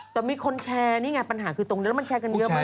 แต่มีคนแชร์นี่ไงปัญหาคือตรงนี้แล้วมันแชร์กันเยอะมาก